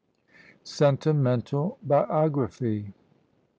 SENTIMENTAL BIOGRAPHY.